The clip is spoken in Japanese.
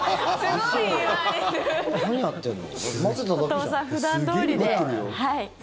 大友さん、普段どおりで。